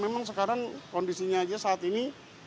memang sekarang kondisinya aja saat ini